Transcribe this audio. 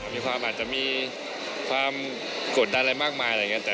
ความอาจจะมีความกดดันอะไรมากมายอะไรอย่างนี้